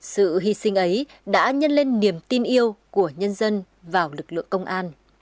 sự hy sinh ấy đã nhân lên niềm tin yêu của nhân dân vào lực lượng công an